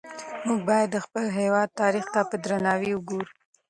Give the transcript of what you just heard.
موږ باید د خپل هېواد تاریخ ته په درناوي وګورو.